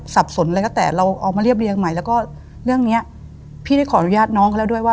สับสนอะไรก็แต่เราเอามาเรียบเรียงใหม่แล้วก็เรื่องเนี้ยพี่ได้ขออนุญาตน้องเขาแล้วด้วยว่า